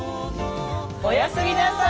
おやすみなさい。